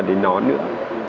những khó khăn đó